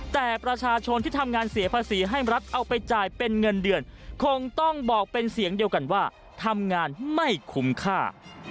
แต่ประชาชนที่ทำงานเสียภาษีให้รัฐเอาไปจ่ายเป็นเงินเดือนคงต้องบอกเป็นเสียงเดียวกันว่าทำงานไม่คุ้มค่า